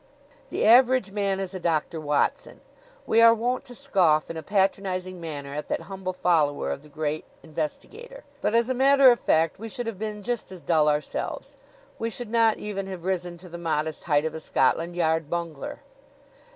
The average man is a Doctor Watson. We are wont to scoff in a patronizing manner at that humble follower of the great investigator; but as a matter of fact we should have been just as dull ourselves. We should not even have risen to the modest height of a Scotland Yard bungler.